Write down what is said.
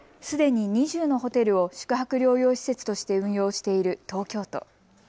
すでに２０のホテルを宿泊療養施設として運用している東京都。